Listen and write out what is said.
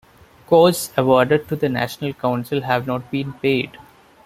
Costs awarded to the National Council have not been paid.